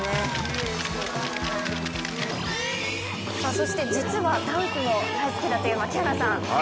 そして実はダンスも大好きだという槙原さん。